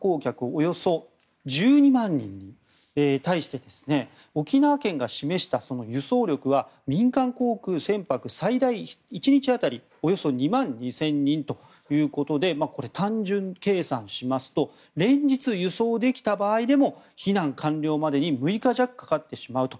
およそ１２万人に対して沖縄県が示した輸送力は民間航空・船舶、最大１日当たりおよそ２万２０００人ということでこれ、単純計算しますと連日輸送できた場合でも避難完了までに６日弱かかってしまうと。